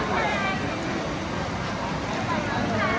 ก็เนี่ยผิดแทบข้างแหละ